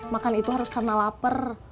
makan itu harus karena lapar